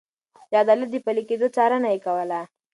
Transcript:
د عدالت د پلي کېدو څارنه يې کوله.